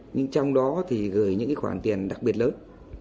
nhưng trong đó thì gửi những khoản tiền đặc biệt lớn